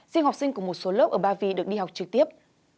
riêng học sinh của một số lớp ở ba vị được đi học trực tiếp